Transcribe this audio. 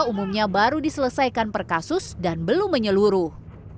umumnya baru diselesaikan per kasus dan belum menyeluruh